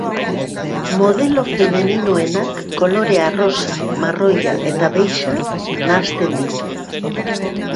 Modelo femeninoenak kolore arrosa, marroia eta beixa nahasten ditu.